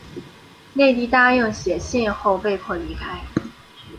内蒂答应写信后被迫离开。